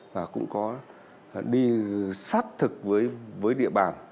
và cũng có đi sát thực với địa bàn